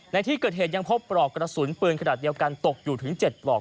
ในที่เกิดเหตุยังพบปลอกกระสุนปืนขนาดเดียวกันตกอยู่ถึง๗ปลอก